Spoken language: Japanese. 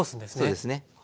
そうですね。